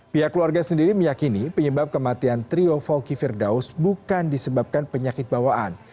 pihak keluarga sendiri meyakini penyebab kematian trio fawki firdaus bukan disebabkan penyakit bawaan